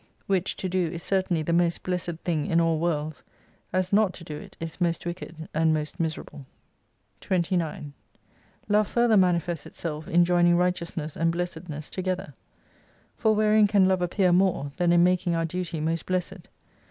Which to do, is certainly the most blessed thing in all worlds, as not to do it is most wicked and most miserable. lOI " 29 Love further manifests itself in joining righteousness and blessedness together : for wherein can Love appear more than in making our duty most blessed.